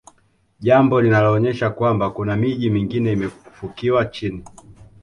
jambo linaloonyesha kwamba kuna miji mingine imefukiwa chini